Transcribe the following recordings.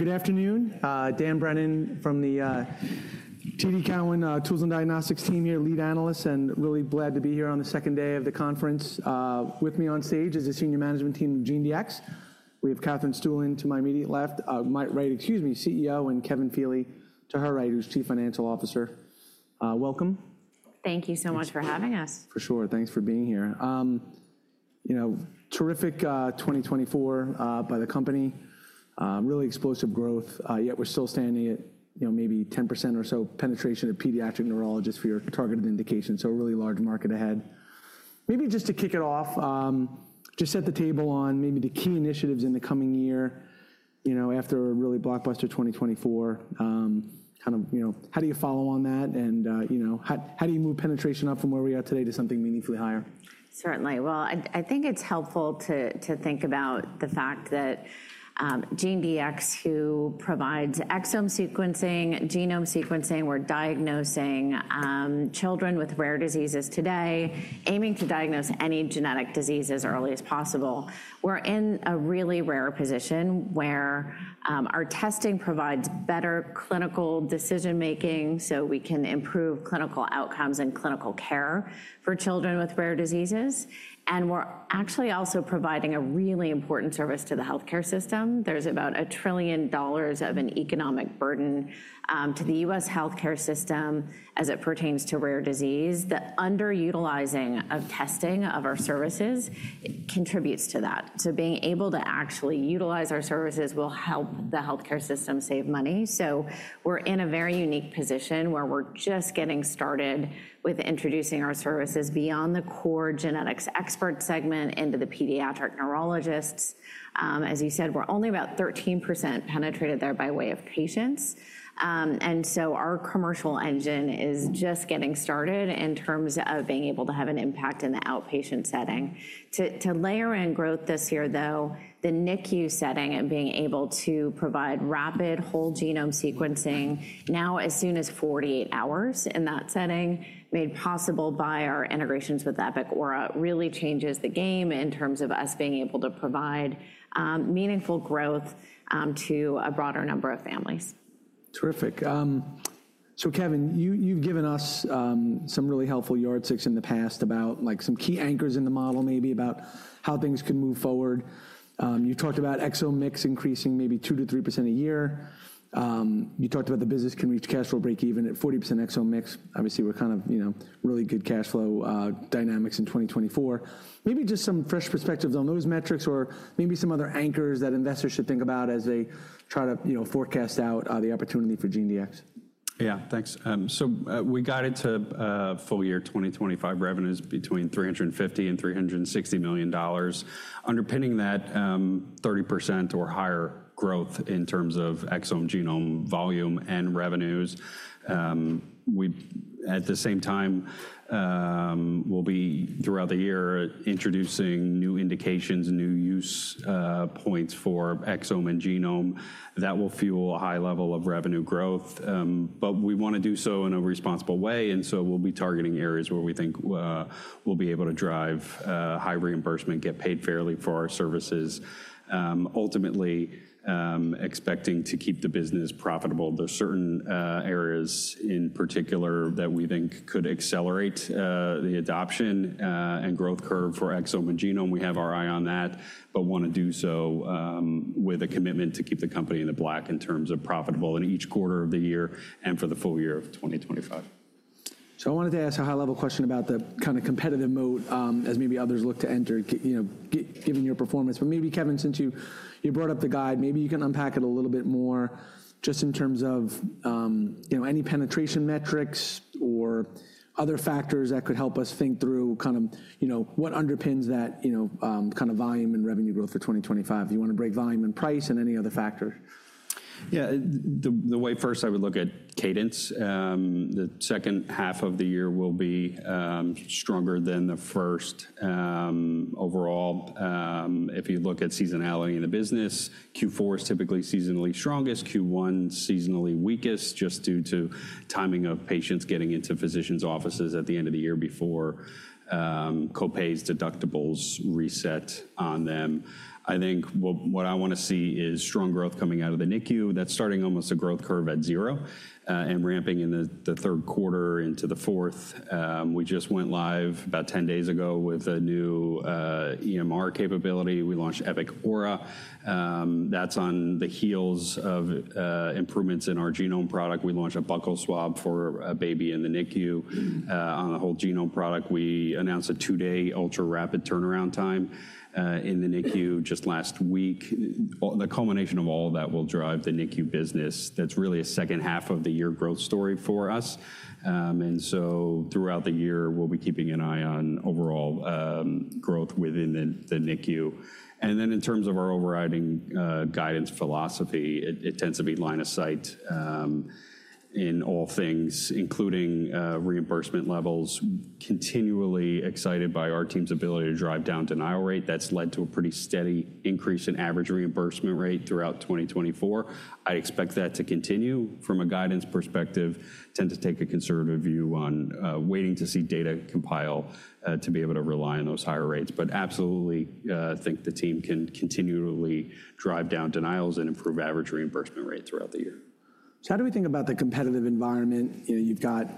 Good afternoon. Dan Brennan from the TD Cowen Tools and Diagnostics team here, lead analyst, and really glad to be here on the second day of the conference. With me on stage is the senior management team of GeneDx. We have Katherine Stueland to my immediate left, my right, excuse me, CEO, and Kevin Feeley to her right, who's Chief Financial Officer. Welcome. Thank you so much for having us. For sure. Thanks for being here. You know, terrific 2024 by the company, really explosive growth, yet we're still standing at maybe 10% or so penetration of pediatric neurologists for your targeted indication. So a really large market ahead. Maybe just to kick it off, just set the table on maybe the key initiatives in the coming year, you know, after a really blockbuster 2024, kind of, you know, how do you follow on that? And, you know, how do you move penetration up from where we are today to something meaningfully higher? Certainly. Well, I think it's helpful to think about the fact that GeneDx, who provides exome sequencing, genome sequencing, we're diagnosing children with rare diseases today, aiming to diagnose any genetic diseases early as possible. We're in a really rare position where our testing provides better clinical decision making so we can improve clinical outcomes and clinical care for children with rare diseases, and we're actually also providing a really important service to the healthcare system. There's about $1 trillion of an economic burden to the U.S. healthcare system as it pertains to rare disease. The underutilizing of testing of our services contributes to that, so being able to actually utilize our services will help the healthcare system save money, so we're in a very unique position where we're just getting started with introducing our services beyond the core genetics expert segment into the pediatric neurologists. As you said, we're only about 13% penetrated there by way of patients. And so our commercial engine is just getting started in terms of being able to have an impact in the outpatient setting. To layer in growth this year, though, the NICU setting and being able to provide rapid whole genome sequencing now as soon as 48 hours in that setting made possible by our integrations with Epic Aura really changes the game in terms of us being able to provide meaningful growth to a broader number of families. Terrific. So Kevin, you've given us some really helpful yardsticks in the past about like some key anchors in the model, maybe about how things could move forward. You talked about exome mix increasing maybe 2%-3% a year. You talked about the business can reach cash flow breakeven at 40% exome mix. Obviously, we're kind of, you know, really good cash flow dynamics in 2024. Maybe just some fresh perspectives on those metrics or maybe some other anchors that investors should think about as they try to, you know, forecast out the opportunity for GeneDx. Yeah, thanks. So we guided to full year 2025 revenues between $350 million-$360 million, underpinning that 30% or higher growth in terms of exome genome volume and revenues. We at the same time will be throughout the year introducing new indications and new use points for exome and genome that will fuel a high level of revenue growth. But we want to do so in a responsible way. And so we'll be targeting areas where we think we'll be able to drive high reimbursement, get paid fairly for our services, ultimately expecting to keep the business profitable. There are certain areas in particular that we think could accelerate the adoption and growth curve for exome and genome. We have our eye on that, but want to do so with a commitment to keep the company in the black in terms of profitable in each quarter of the year and for the full year of 2025. So I wanted to ask a high level question about the kind of competitive moat as maybe others look to enter, you know, given your performance. But maybe, Kevin, since you brought up the guide, maybe you can unpack it a little bit more just in terms of, you know, any penetration metrics or other factors that could help us think through kind of, you know, what underpins that, you know, kind of volume and revenue growth for 2025. Do you want to break volume and price and any other factors? Yeah, the way first I would look at cadence. The second half of the year will be stronger than the first overall. If you look at seasonality in the business, Q4 is typically seasonally strongest, Q1 seasonally weakest just due to timing of patients getting into physicians' offices at the end of the year before copays, deductibles reset on them. I think what I want to see is strong growth coming out of the NICU. That's starting almost a growth curve at zero and ramping in the third quarter into the fourth. We just went live about 10 days ago with a new EMR capability. We launched Epic Aura. That's on the heels of improvements in our genome product. We launched a buccal swab for a baby in the NICU. On the whole genome product, we announced a two-day ultra-rapid turnaround time in the NICU just last week. The culmination of all of that will drive the NICU business. That's really a second half of the year growth story for us, and so throughout the year, we'll be keeping an eye on overall growth within the NICU, and then in terms of our overriding guidance philosophy, it tends to be line of sight in all things, including reimbursement levels, continually excited by our team's ability to drive down denial rate. That's led to a pretty steady increase in average reimbursement rate throughout 2024. I expect that to continue from a guidance perspective, tend to take a conservative view on waiting to see data compile to be able to rely on those higher rates, but absolutely think the team can continually drive down denials and improve average reimbursement rate throughout the year. So how do we think about the competitive environment? You know, you've got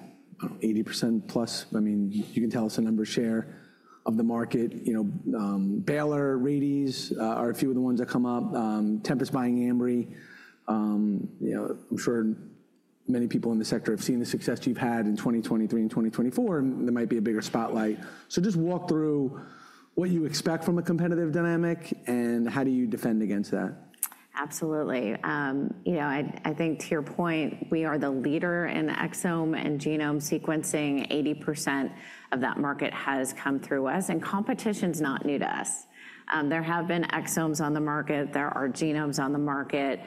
80% plus. I mean, you can tell us a number share of the market. You know, Baylor, Rady, are a few of the ones that come up. Tempus buying Ambry. You know, I'm sure many people in the sector have seen the success you've had in 2023 and 2024, and there might be a bigger spotlight. So just walk through what you expect from a competitive dynamic and how do you defend against that? Absolutely. You know, I think to your point, we are the leader in exome and genome sequencing. 80% of that market has come through us, and competition is not new to us. There have been exomes on the market. There are genomes on the market.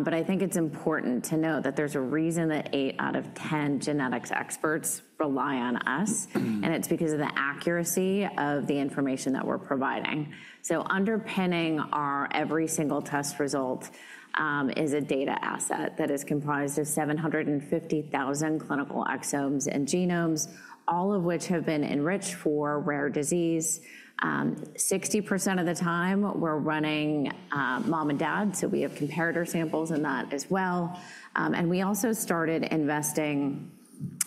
But I think it's important to note that there's a reason that eight out of ten genetics experts rely on us, and it's because of the accuracy of the information that we're providing. So underpinning our every single test result is a data asset that is comprised of 750,000 clinical exomes and genomes, all of which have been enriched for rare disease. 60% of the time we're running mom and dad, so we have comparator samples in that as well. And we also started investing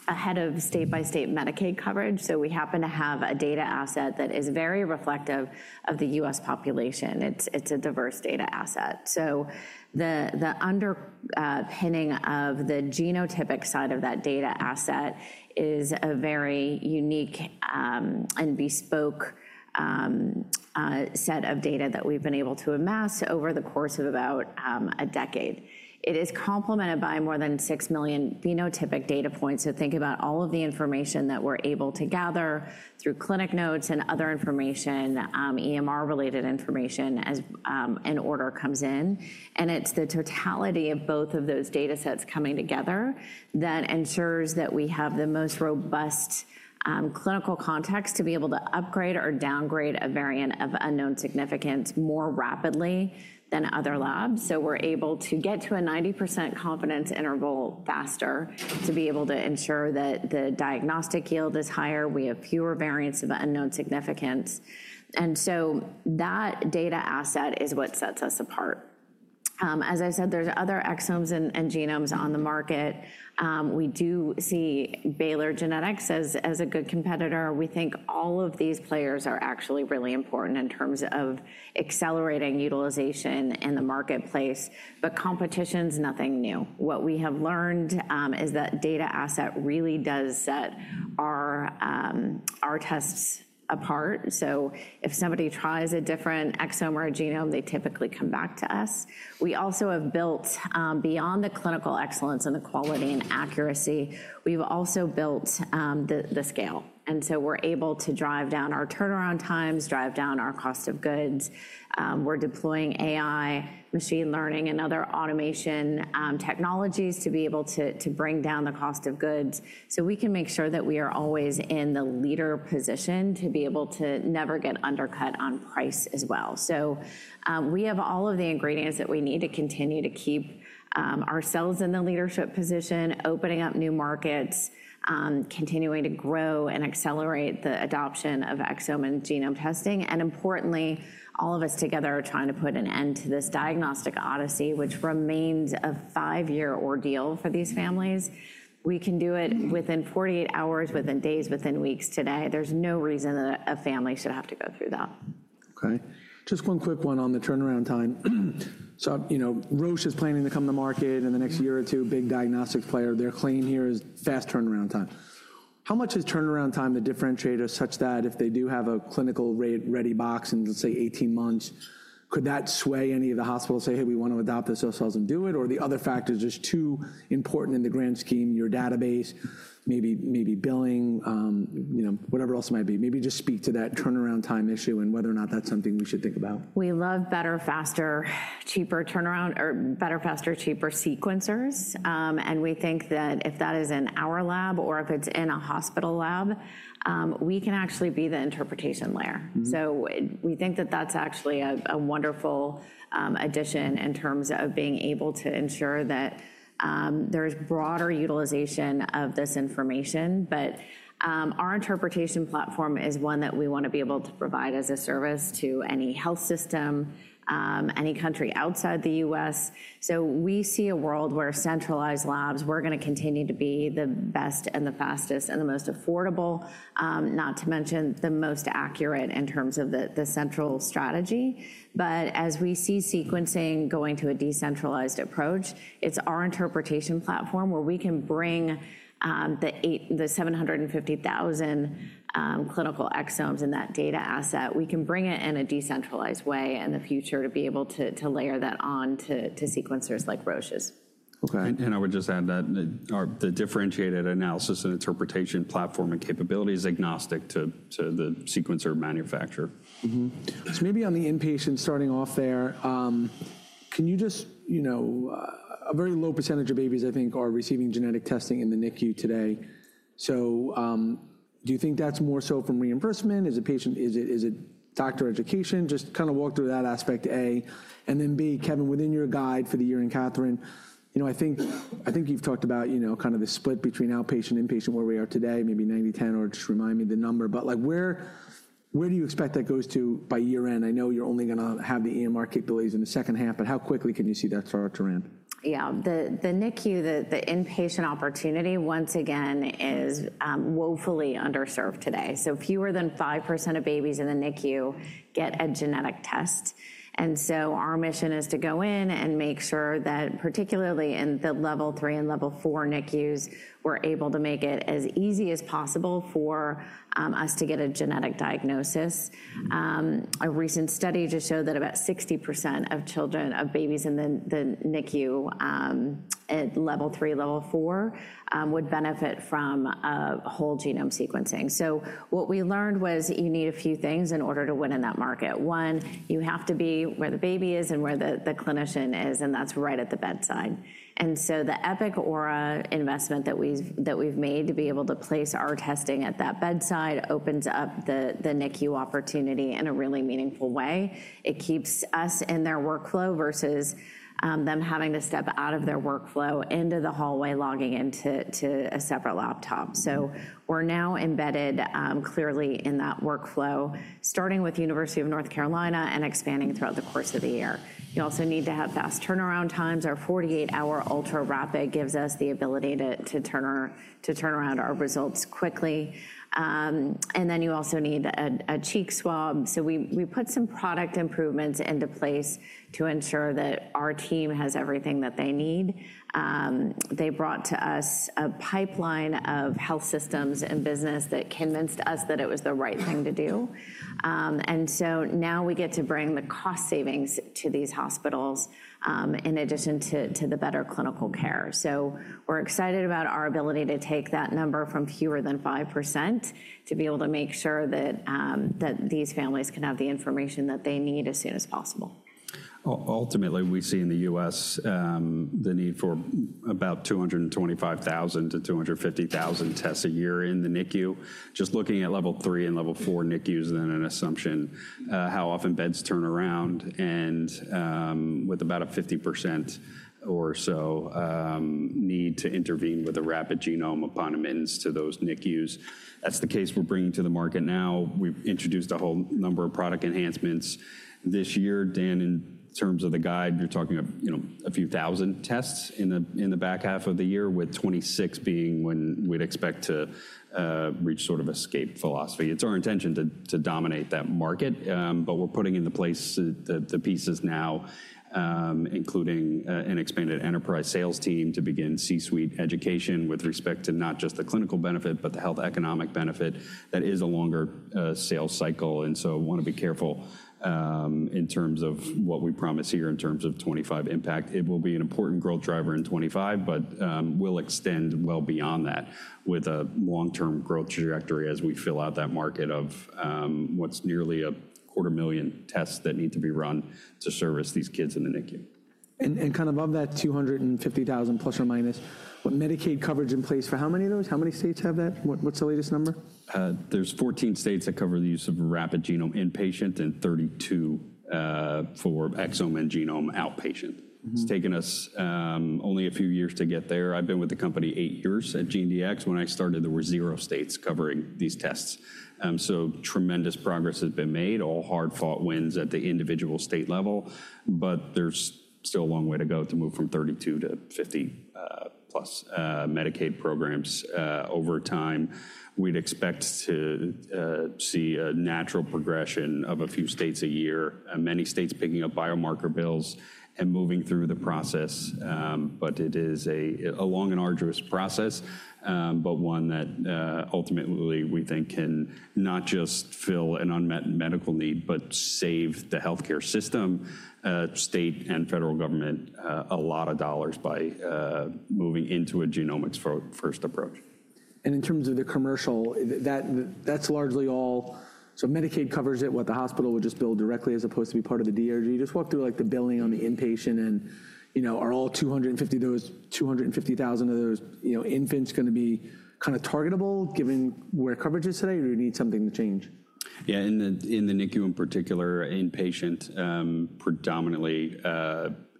ahead of state-by-state Medicaid coverage. So we happen to have a data asset that is very reflective of the U.S. population. It's a diverse data asset. So the underpinning of the genotypic side of that data asset is a very unique and bespoke set of data that we've been able to amass over the course of about a decade. It is complemented by more than six million phenotypic data points. So think about all of the information that we're able to gather through clinic notes and other information, EMR-related information as an order comes in. And it's the totality of both of those data sets coming together that ensures that we have the most robust clinical context to be able to upgrade or downgrade a variant of unknown significance more rapidly than other labs. So we're able to get to a 90% confidence interval faster to be able to ensure that the diagnostic yield is higher. We have fewer variants of unknown significance. And so that data asset is what sets us apart. As I said, there's other exomes and genomes on the market. We do see Baylor Genetics as a good competitor. We think all of these players are actually really important in terms of accelerating utilization in the marketplace. But competition is nothing new. What we have learned is that data asset really does set our tests apart. So if somebody tries a different exome or a genome, they typically come back to us. We also have built beyond the clinical excellence and the quality and accuracy, we've also built the scale. And so we're able to drive down our turnaround times, drive down our cost of goods. We're deploying AI, machine learning, and other automation technologies to be able to bring down the cost of goods. So we can make sure that we are always in the leader position to be able to never get undercut on price as well. So we have all of the ingredients that we need to continue to keep ourselves in the leadership position, opening up new markets, continuing to grow and accelerate the adoption of exome and genome testing. And importantly, all of us together are trying to put an end to this diagnostic odyssey, which remains a five-year ordeal for these families. We can do it within 48 hours, within days, within weeks today. There's no reason that a family should have to go through that. Okay. Just one quick one on the turnaround time. So, you know, Roche is planning to come to market in the next year or two, big diagnostics player. They're claiming here is fast turnaround time. How much is turnaround time the differentiator such that if they do have a clinical ready box in, let's say, 18 months, could that sway any of the hospitals to say, "Hey, we want to adopt this, let's tell them to do it"? Or the other factors are just too important in the grand scheme, your database, maybe billing, you know, whatever else it might be. Maybe just speak to that turnaround time issue and whether or not that's something we should think about. We love better, faster, cheaper turnaround or better, faster, cheaper sequencers. And we think that if that is in our lab or if it's in a hospital lab, we can actually be the interpretation layer. So we think that that's actually a wonderful addition in terms of being able to ensure that there's broader utilization of this information. But our interpretation platform is one that we want to be able to provide as a service to any health system, any country outside the U.S. So we see a world where centralized labs are going to continue to be the best and the fastest and the most affordable, not to mention the most accurate in terms of the central strategy. But as we see sequencing going to a decentralized approach, it's our interpretation platform where we can bring the 750,000 clinical exomes in that data asset. We can bring it in a decentralized way in the future to be able to layer that on to sequencers like Roche's. Okay. I would just add that the differentiated analysis and interpretation platform and capability is agnostic to the sequencer manufacturer. So maybe on the inpatient starting off there, can you just, you know, a very low percentage of babies I think are receiving genetic testing in the NICU today. So do you think that's more so from reimbursement? Is it patient? Is it doctor education? Just kind of walk through that aspect, A, and then B, Kevin, within your guidance for the year and Katherine, you know, I think you've talked about, you know, kind of the split between outpatient and inpatient where we are today, maybe 90/10 or just remind me the number. But like where do you expect that goes to by year end? I know you're only going to have the EMR capabilities in the second half, but how quickly can you see that start to run? Yeah, the NICU, the inpatient opportunity once again is woefully underserved today. So fewer than 5% of babies in the NICU get a genetic test. And so our mission is to go in and make sure that particularly in the Level III and Level IV NICUs, we're able to make it as easy as possible for us to get a genetic diagnosis. A recent study just showed that about 60% of children, of babies in the NICU at level three, level four, would benefit from a whole genome sequencing. So what we learned was you need a few things in order to win in that market. One, you have to be where the baby is and where the clinician is, and that's right at the bedside. And so the Epic Aura investment that we've made to be able to place our testing at that bedside opens up the NICU opportunity in a really meaningful way. It keeps us in their workflow versus them having to step out of their workflow into the hallway, logging into a separate laptop. So we're now embedded clearly in that workflow, starting with the University of North Carolina and expanding throughout the course of the year. You also need to have fast turnaround times. Our 48-hour ultra rapid gives us the ability to turn around our results quickly. And then you also need a cheek swab. So we put some product improvements into place to ensure that our team has everything that they need. They brought to us a pipeline of health systems and business that convinced us that it was the right thing to do. And so now we get to bring the cost savings to these hospitals in addition to the better clinical care. So we're excited about our ability to take that number from fewer than 5% to be able to make sure that these families can have the information that they need as soon as possible. Ultimately, we see in the U.S. the need for about 225,000 to 250,000 tests a year in the NICU. Just looking at Level 3 and Level 4 NICUs is then an assumption how often beds turn around and with about a 50% or so need to intervene with a rapid genome upon admittance to those NICUs. That's the case we're bringing to the market now. We've introduced a whole number of product enhancements this year. Dan, in terms of the guide, you're talking about, you know, a few thousand tests in the back half of the year, with 2026 being when we'd expect to reach sort of escape velocity. It's our intention to dominate that market, but we're putting into place the pieces now, including an expanded enterprise sales team to begin C-suite education with respect to not just the clinical benefit, but the health economic benefit. That is a longer sales cycle. And so we want to be careful in terms of what we promise here in terms of 2025 impact. It will be an important growth driver in 2025, but we'll extend well beyond that with a long-term growth trajectory as we fill out that market of what's nearly a quarter million tests that need to be run to service these kids in the NICU. Kind of that 250,000±, what Medicaid coverage in place for how many of those? How many states have that? What's the latest number? There's 14 states that cover the use of rapid genome inpatient and 32 for exome and genome outpatient. It's taken us only a few years to get there. I've been with the company eight years at GeneDx. When I started, there were zero states covering these tests. So tremendous progress has been made, all hard-fought wins at the individual state level. But there's still a long way to go to move from 32 to 50+ Medicaid programs over time. We'd expect to see a natural progression of a few states a year, many states picking up biomarker bills and moving through the process. But it is a long and arduous process, but one that ultimately we think can not just fill an unmet medical need, but save the healthcare system, state and federal government a lot of dollars by moving into a genomics-first approach. In terms of the commercial, that's largely all. Medicaid covers it, what the hospital would just bill directly as opposed to be part of the DRG. Just walk through like the billing on the inpatient and, you know, are all 250,000 of those, you know, infants going to be kind of targetable given where coverage is today or do you need something to change? Yeah, in the NICU in particular, inpatient predominantly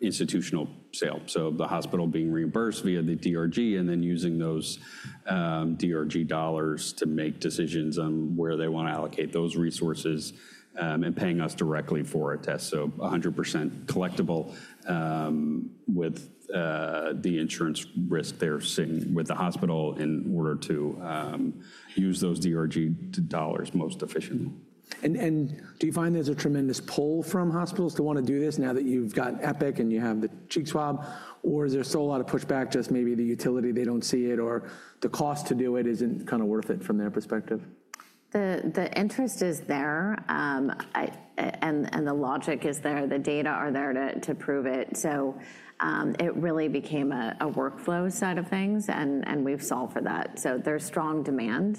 institutional sale. So the hospital being reimbursed via the DRG and then using those DRG dollars to make decisions on where they want to allocate those resources and paying us directly for a test. So 100% collectible with the insurance risk they're sitting with the hospital in order to use those DRG dollars most efficiently. Do you find there's a tremendous pull from hospitals to want to do this now that you've got Epic and you have the cheek swab? Or is there still a lot of pushback, just maybe the utility they don't see it or the cost to do it isn't kind of worth it from their perspective? The interest is there and the logic is there. The data are there to prove it. So it really became a workflow side of things and we've solved for that. So there's strong demand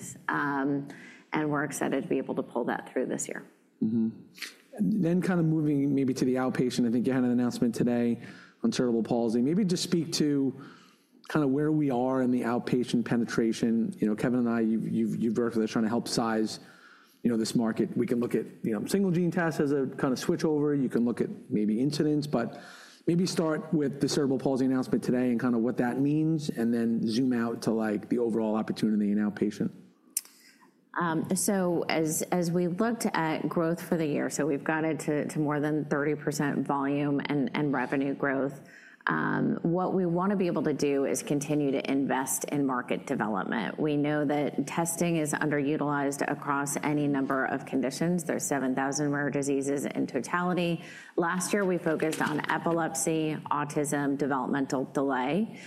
and we're excited to be able to pull that through this year. Then kind of moving maybe to the outpatient, I think you had an announcement today on cerebral palsy. Maybe just speak to kind of where we are in the outpatient penetration. You know, Kevin and I, you've worked with us trying to help size, you know, this market. We can look at, you know, single gene test as a kind of switchover. You can look at maybe incidence, but maybe start with the cerebral palsy announcement today and kind of what that means and then zoom out to like the overall opportunity in outpatient. So as we've looked at growth for the year, so we've gotten to more than 30% volume and revenue growth. What we want to be able to do is continue to invest in market development. We know that testing is underutilized across any number of conditions. There's 7,000 rare diseases in totality. Last year, we focused on epilepsy, autism, developmental delay.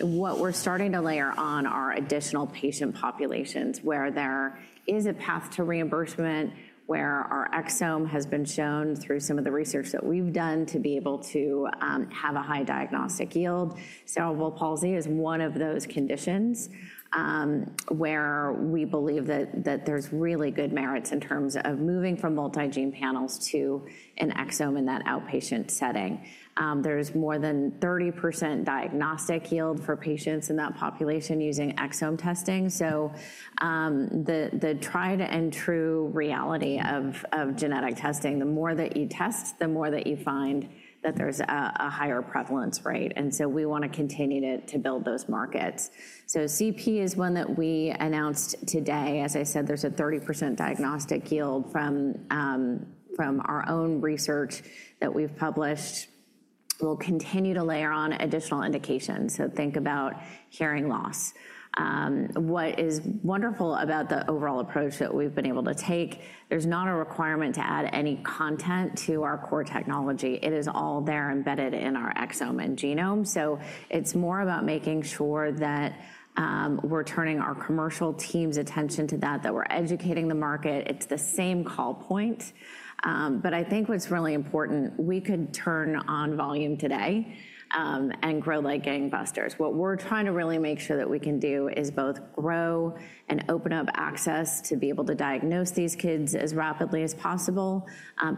What we're starting to layer on are additional patient populations where there is a path to reimbursement, where our exome has been shown through some of the research that we've done to be able to have a high diagnostic yield. Cerebral palsy is one of those conditions where we believe that there's really good merits in terms of moving from multi-gene panels to an exome in that outpatient setting. There's more than 30% diagnostic yield for patients in that population using exome testing. The tried and true reality of genetic testing, the more that you test, the more that you find that there's a higher prevalence rate. And so we want to continue to build those markets. CP is one that we announced today. As I said, there's a 30% diagnostic yield from our own research that we've published. We'll continue to layer on additional indications. Think about hearing loss. What is wonderful about the overall approach that we've been able to take, there's not a requirement to add any content to our core technology. It is all there embedded in our exome and genome. It's more about making sure that we're turning our commercial team's attention to that, that we're educating the market. It's the same call point. But I think what's really important, we could turn on volume today and grow like gangbusters. What we're trying to really make sure that we can do is both grow and open up access to be able to diagnose these kids as rapidly as possible,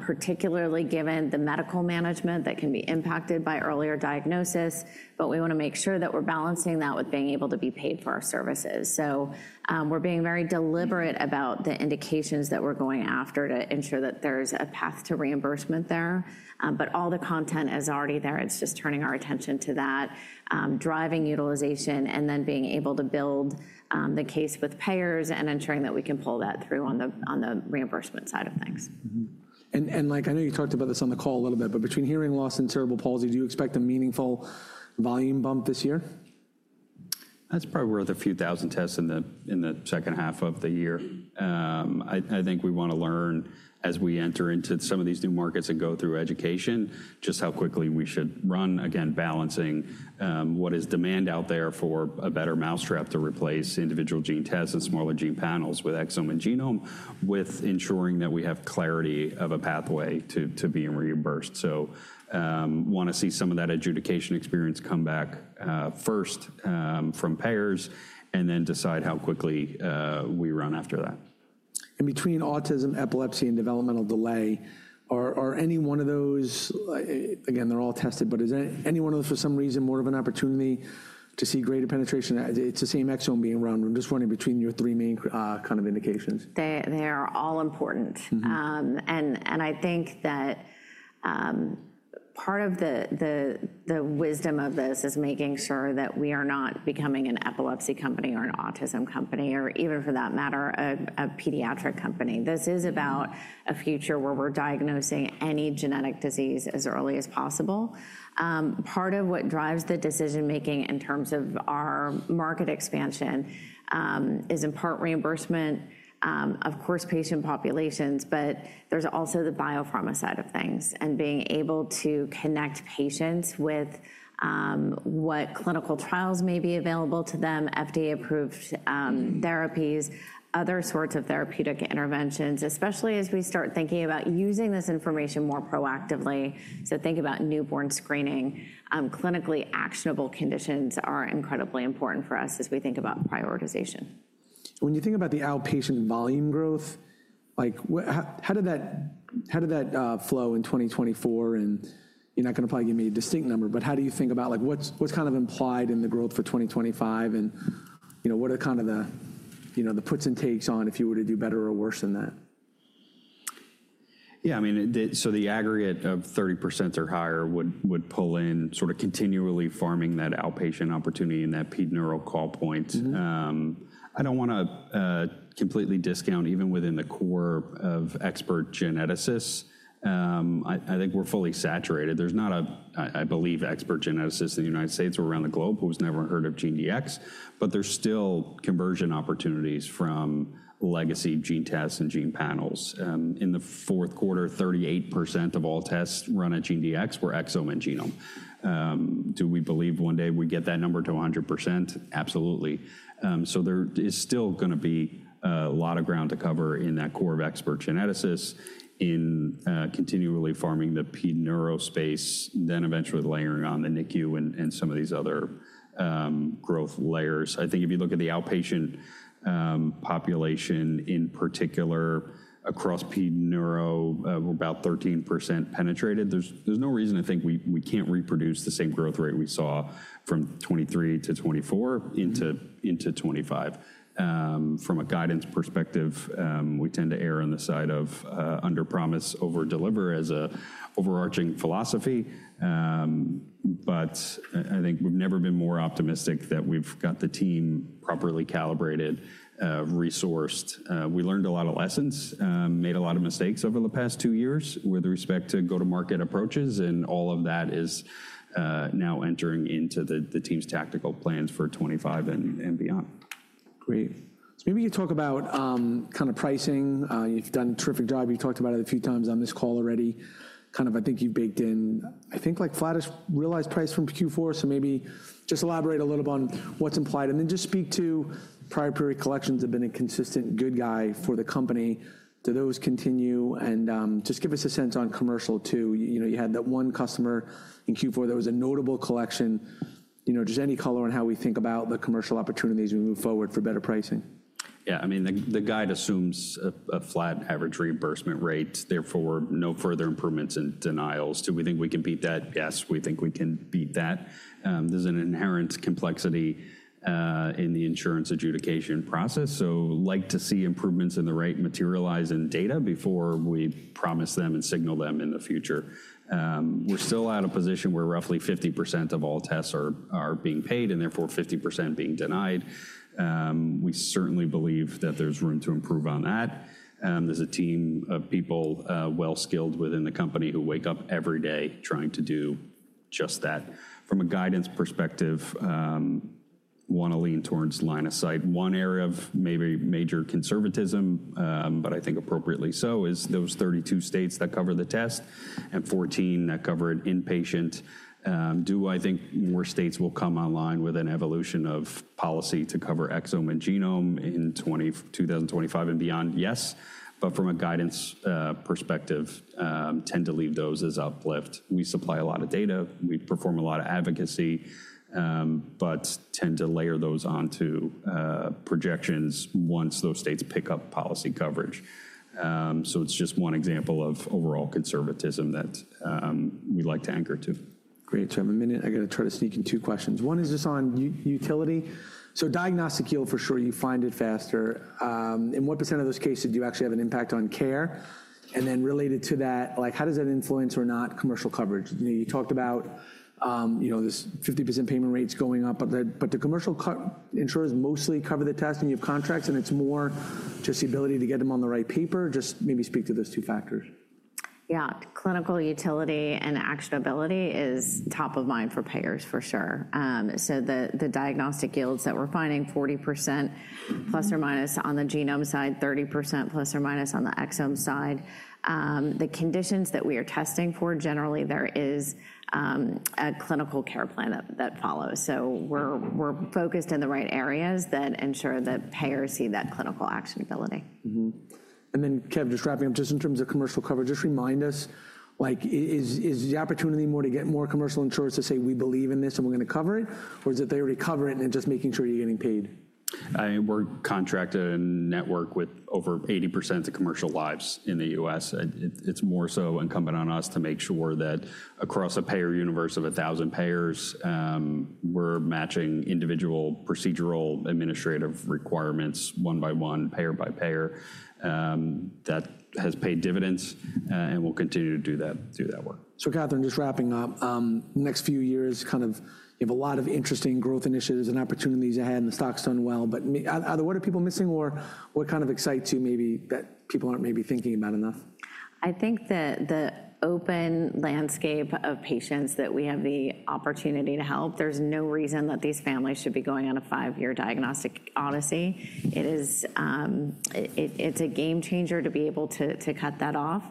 particularly given the medical management that can be impacted by earlier diagnosis. But we want to make sure that we're balancing that with being able to be paid for our services. So we're being very deliberate about the indications that we're going after to ensure that there's a path to reimbursement there. But all the content is already there. It's just turning our attention to that, driving utilization, and then being able to build the case with payers and ensuring that we can pull that through on the reimbursement side of things. Like I know you talked about this on the call a little bit, but between hearing loss and cerebral palsy, do you expect a meaningful volume bump this year? That's probably worth a few thousand tests in the second half of the year. I think we want to learn as we enter into some of these new markets and go through education just how quickly we should run, again, balancing what is demand out there for a better mousetrap to replace individual gene tests and smaller gene panels with exome and genome, with ensuring that we have clarity of a pathway to being reimbursed. So want to see some of that adjudication experience come back first from payers and then decide how quickly we run after that. And between autism, epilepsy, and developmental delay, are any one of those, again, they're all tested, but is any one of those for some reason more of an opportunity to see greater penetration? It's the same exome being run. I'm just wondering between your three main kind of indications. They are all important, and I think that part of the wisdom of this is making sure that we are not becoming an epilepsy company or an autism company or even for that matter, a pediatric company. This is about a future where we're diagnosing any genetic disease as early as possible. Part of what drives the decision-making in terms of our market expansion is in part reimbursement, of course, patient populations, but there's also the biopharma side of things and being able to connect patients with what clinical trials may be available to them, FDA-approved therapies, other sorts of therapeutic interventions, especially as we start thinking about using this information more proactively, so think about newborn screening. Clinically actionable conditions are incredibly important for us as we think about prioritization. When you think about the outpatient volume growth, like how did that flow in 2024? And you're not going to probably give me a distinct number, but how do you think about like what's kind of implied in the growth for 2025? And you know, what are kind of the, you know, the puts and takes on if you were to do better or worse than that? Yeah, I mean, so the aggregate of 30% or higher would pull in sort of continually farming that outpatient opportunity and that pediatric neurologist call point. I don't want to completely discount even within the core of expert geneticists. I think we're fully saturated. There's not a, I believe, expert geneticist in the United States or around the globe who's never heard of GeneDx, but there's still conversion opportunities from legacy gene tests and gene panels. In the fourth quarter, 38% of all tests run at GeneDx were exome and genome. Do we believe one day we get that number to 100%? Absolutely. So there is still going to be a lot of ground to cover in that core of expert geneticists in continually farming the pediatric neurologist space, then eventually layering on the NICU and some of these other growth layers. I think if you look at the outpatient population in particular, across pediatric neurology, we're about 13% penetrated. There's no reason I think we can't reproduce the same growth rate we saw from 2023 to 2024 into 2025. From a guidance perspective, we tend to err on the side of underpromise, overdeliver as an overarching philosophy. But I think we've never been more optimistic that we've got the team properly calibrated, resourced. We learned a lot of lessons, made a lot of mistakes over the past two years with respect to go-to-market approaches, and all of that is now entering into the team's tactical plans for 2025 and beyond. Great. So maybe you talk about kind of pricing. You've done a terrific job. You've talked about it a few times on this call already. Kind of, I think you've baked in, I think like flattest realized price from Q4. So maybe just elaborate a little bit on what's implied and then just speak to prior period collections that have been a consistent good guy for the company. Do those continue? And just give us a sense on commercial too. You know, you had that one customer in Q4 that was a notable collection. You know, just any color on how we think about the commercial opportunities we move forward for better pricing. Yeah, I mean, the guide assumes a flat average reimbursement rate, therefore no further improvements in denials. Do we think we can beat that? Yes, we think we can beat that. There's an inherent complexity in the insurance adjudication process. So I'd like to see improvements in the rate materialize in data before we promise them and signal them in the future. We're still at a position where roughly 50% of all tests are being paid and therefore 50% being denied. We certainly believe that there's room to improve on that. There's a team of people well skilled within the company who wake up every day trying to do just that. From a guidance perspective, I want to lean towards line of sight. One area of maybe major conservatism, but I think appropriately so, is those 32 states that cover the test and 14 that cover it inpatient. Do I think more states will come online with an evolution of policy to cover exome and genome in 2025 and beyond? Yes. But from a guidance perspective, I tend to leave those as uplift. We supply a lot of data. We perform a lot of advocacy, but tend to layer those onto projections once those states pick up policy coverage. So it's just one example of overall conservatism that we'd like to anchor to. Great. So I have a minute. I'm going to try to sneak in two questions. One is just on utility. So diagnostic yield, for sure, you find it faster. And what % of those cases do you actually have an impact on care? And then related to that, like how does that influence or not commercial coverage? You talked about, you know, this 50% payment rates going up, but the commercial insurers mostly cover the test and you have contracts and it's more just the ability to get them on the right paper. Just maybe speak to those two factors. Yeah, clinical utility and actionability is top of mind for payers, for sure. So the diagnostic yields that we're finding, 40%± on the genome side, 30%± on the exome side. The conditions that we are testing for, generally there is a clinical care plan that follows. So we're focused in the right areas that ensure that payers see that clinical actionability. And then, Kev, just wrapping up, just in terms of commercial coverage, just remind us, like is the opportunity more to get more commercial insurers to say, "We believe in this and we're going to cover it," or is it they already cover it and then just making sure you're getting paid? I mean, we're contracted in a network with over 80% of the commercial lives in the U.S. It's more so incumbent on us to make sure that across a payer universe of 1,000 payers, we're matching individual procedural administrative requirements one by one, payer by payer. That has paid dividends and we'll continue to do that work. So, Katherine, just wrapping up, next few years, kind of you have a lot of interesting growth initiatives and opportunities ahead, and the stock's done well, but either what are people missing or what kind of excites you maybe that people aren't maybe thinking about enough? I think that the open landscape of patients that we have the opportunity to help, there's no reason that these families should be going on a five-year diagnostic odyssey. It's a game changer to be able to cut that off.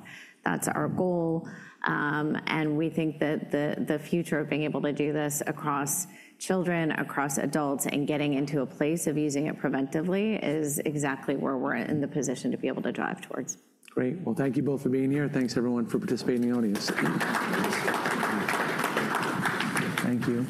That's our goal. And we think that the future of being able to do this across children, across adults, and getting into a place of using it preventively is exactly where we're in the position to be able to drive towards. Great. Well, thank you both for being here. Thanks, everyone, for participating in the audience. Thank you.